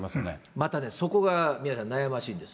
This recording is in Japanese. またね、そこが、宮根さん、悩ましいんです。